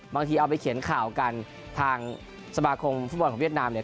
บางทีเอาไปเขียนข่าวกันทางสมาคมฟุตบอลของเวียดนามเนี่ย